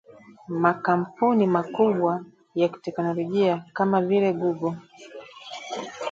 Makampuni makubwa ya teknolojia kama vile Google